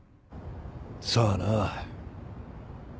さあな。